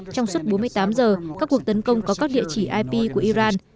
trong suốt bốn mươi tám giờ các cuộc tấn công có các địa chỉ ip của iran